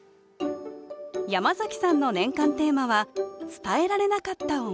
山崎さんの年間テーマは「伝えられなかった思い」。